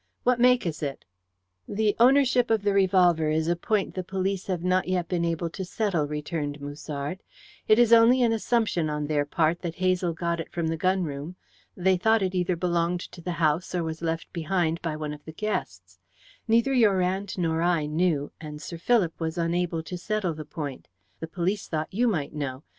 What make is it?" "The ownership of the revolver is a point the police have not yet been able to settle," returned Musard. "It is only an assumption on their part that Hazel got it from the gun room. They thought it either belonged to the house or was left behind by one of the guests. Neither your aunt nor I knew, and Sir Philip was unable to settle the point. The police thought you might know.